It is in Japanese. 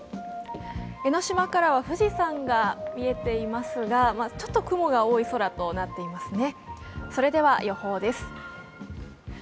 江ノ島からは富士山が見えていますが、ちょっと雲が多い空となっていますね。